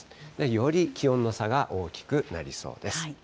より気温の差が大きくなりそうです。